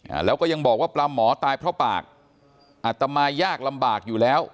อ่าแล้วก็ยังบอกว่าปลาหมอตายเพราะปากอัตมายากลำบากอยู่แล้ว